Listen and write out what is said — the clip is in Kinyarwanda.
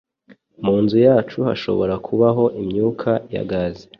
Mu nzu yacu hashobora kubaho imyuka ya gaze.